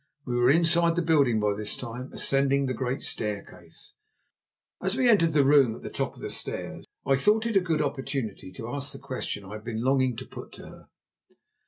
We were inside the building by this time, ascending the great staircase. As we entered the room at the top of the stairs, I thought it a good opportunity to ask the question I had been longing to put to her.